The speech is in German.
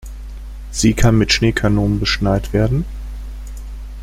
Sie kann mit Schneekanonen beschneit werden.